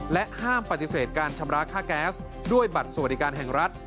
ห้ามปฏิเสธการชำระค่าแก๊สด้วยบัตรสวัสดิการแห่งรัฐ